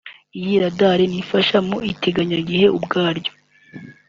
Iyi radar nafasha mu iteganyagihe ubwaryo